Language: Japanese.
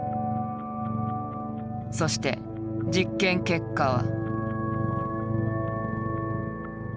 そして実験結果は。